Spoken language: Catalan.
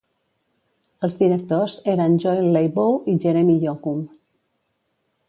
Els directors eren Joel Leibow i Jeremy Yocum.